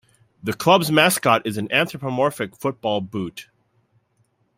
The club's mascot is an anthropomorphic football boot.